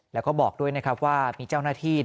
แล้วก็บอกด้วยนะครับว่ามีเจ้าหน้าที่